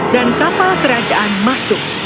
dan kapal kerajaan masuk